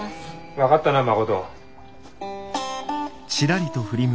分かったな誠。